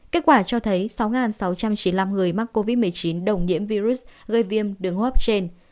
kết quả cho thấy sáu sáu trăm chín mươi năm người mắc covid một mươi chín đồng nhiễm virus gây viêm đường hô hấp trên